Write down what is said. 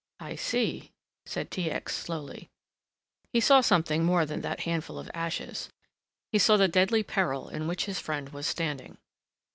"I see," said T. X. slowly. He saw something more than that handful of ashes, he saw the deadly peril in which his friend was standing.